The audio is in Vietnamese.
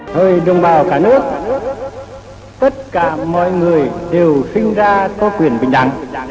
những dân tộc sinh ra có quyền bình đẳng